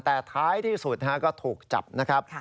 แต่ท้ายที่สุดก็ถูกจับนะครับ